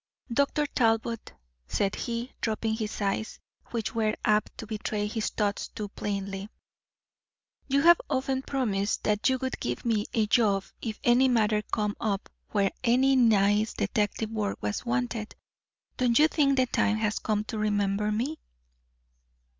"Dr. Talbot," said he, dropping his eyes, which were apt to betray his thoughts too plainly, "you have often promised that you would give me a job if any matter came up where any nice detective work was wanted. Don't you think the time has come to remember me?"